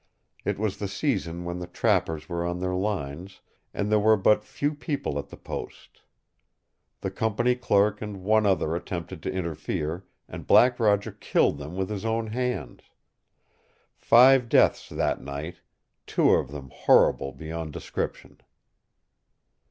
It was the season when the trappers were on their lines, and there were but few people at the post. The company clerk and one other attempted to interfere, and Black Roger killed them with his own hands. Five deaths that night two of them horrible beyond description!